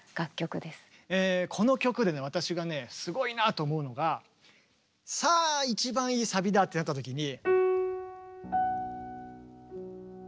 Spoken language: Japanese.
私がねすごいなと思うのがさあ一番いいサビだってなった時に。